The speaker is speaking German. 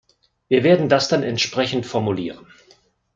Wir werden das dann entsprechend formulieren.